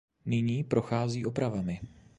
Nyní prochází opravami.